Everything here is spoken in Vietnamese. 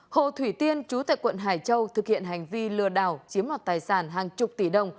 hồ thủy tiên chú tại quận hải châu thực hiện hành vi lừa đảo chiếm mọt tài sản hàng chục tỷ đồng